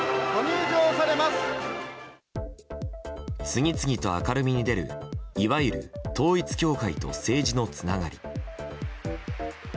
次々と明るみに出るいわゆる統一教会と政治のつながり。